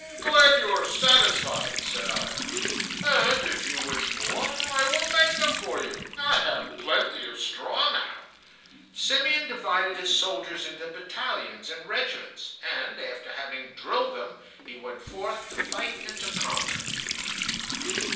"Glad you are satisfied," said Ivan, "and if you wish more I will make them for you. I have plenty of straw now." Simeon divided his soldiers into battalions and regiments, and after having drilled them he went forth to fight and to conquer.